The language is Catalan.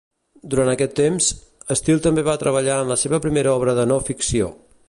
Durant aquest temps, Steel també va treballar en la seva primera obra de no-ficció.